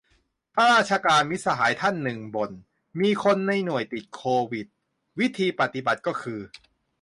ข้าราชการ มิตรสหายท่านหนึ่ง บ่น มีคนในหน่วยติดโควิด วิธีปฏิบัติก็คือ